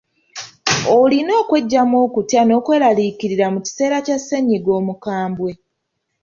Olina okweggyamu okutya n’okweraliikira mu kiseera kya ssennyiga omukambwe.